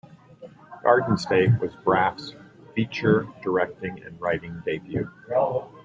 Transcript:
"Garden State" was Braff's feature directing and writing debut.